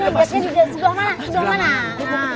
nah bapak tempatnya di sebelah mana